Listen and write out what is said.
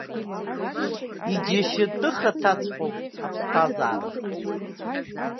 Иџьашьатәыхаҭаҵәҟьоуп аԥсҭазаара.